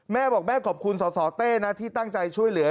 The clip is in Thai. แม่บอกแม่ขอบคุณสสเต้นะที่ตั้งใจช่วยเหลือ